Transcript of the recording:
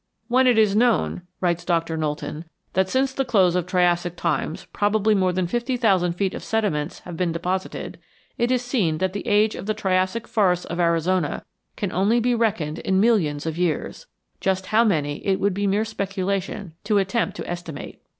"When it is known," writes Doctor Knowlton, "that since the close of Triassic times probably more than fifty thousand feet of sediments have been deposited, it is seen that the age of the Triassic forests of Arizona can only be reckoned in millions of years just how many it would be mere speculation to attempt to estimate.